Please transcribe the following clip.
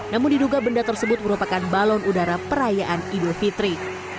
namun diduga benda tersebut merupakan balon udara perayaan idul fitri